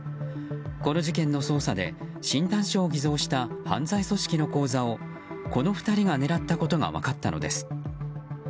この事件の捜査で診断書を偽装した犯罪組織の口座をこの２人が狙ったことが分かったのです。